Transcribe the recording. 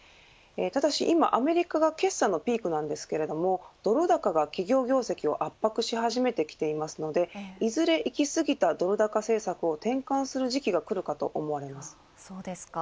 ただし今、アメリカは決算のピークなんですけれどもドル高が企業業績を圧迫し始めてきていますのでいずれ、いきすぎたドル高政策を転換する時期がくると思われます。